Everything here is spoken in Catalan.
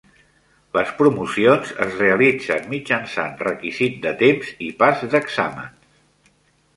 Les promocions es realitzen mitjançant requisit de temps i pas d'exàmens.